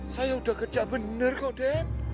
saya udah kerja benar kok den